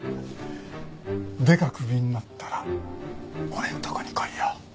デカクビになったら俺のところに来いよ。